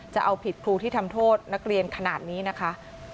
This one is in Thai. จะเอาผิดครูที่ทำโทษนักเรียนขนาดนี้นะคะ